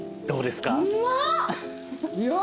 どうですか？